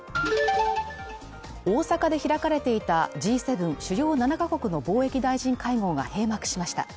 大阪で開かれていたＧ７＝主要７か国の貿易大臣会合が閉幕しました。